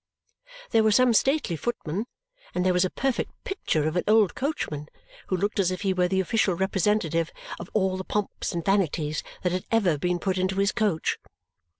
There were some stately footmen, and there was a perfect picture of an old coachman, who looked as if he were the official representative of all the pomps and vanities that had ever been put into his coach.